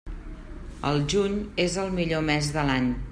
El juny és el millor mes de l'any.